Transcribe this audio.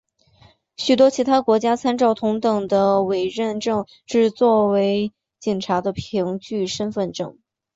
许多其他国家参照同等的委任证只是作为警察的凭据身份证。